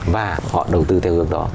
và họ đầu tư theo hướng đó